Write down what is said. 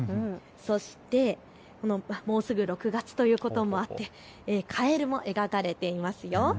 そしてもうすぐ６月ということもあってカエルも描かれていますよ。